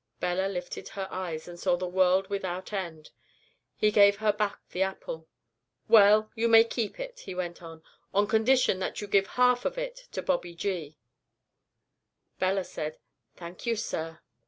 "Bella lifted her eyes and saw the World without End. He gave her back the apple. "'Well, you may keep it,' He went on, 'on condition that you give half of it to Bobby Gee.' "Bella said, 'Thank you, sir.'